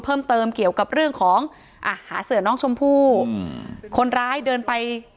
เพิ่มเติมเกี่ยวกับเรื่องของอ่ะหาเสือน้องชมพู่อืมคนร้ายเดินไป